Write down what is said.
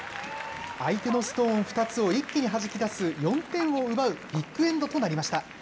相手のストーン２つを一気にはじき出す４点を奪うビッグエンドとなりました。